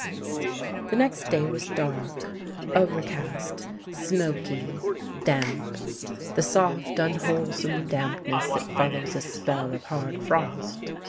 The next day was dark, overcast, smoky, damp the soft, unwholesome dampness that follows a spell of hard frost.